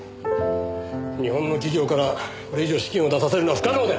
日本の企業からこれ以上資金を出させるのは不可能だよ。